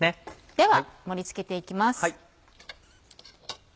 では盛り付けて行きます。